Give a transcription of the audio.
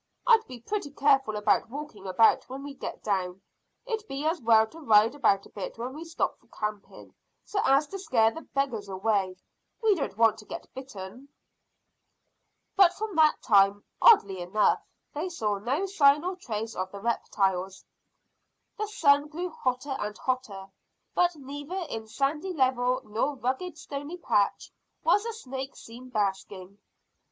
I'd be pretty careful about walking about when we get down. It'd be as well to ride about a bit when we stop for camping, so as to scare the beggars away. We don't want to get bitten." But from that time, oddly enough, they saw no sign or trace of the reptiles. The sun grew hotter and hotter, but neither in sandy level nor rugged stony patch was a snake seen basking.